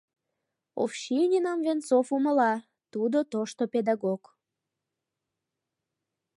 Овчининым Венцов умыла, тудо тошто педагог.